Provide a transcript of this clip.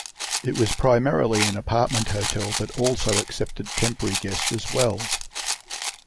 It was primarily an apartment hotel, but also accepted temporary guest as well.